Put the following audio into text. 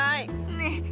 ねえ。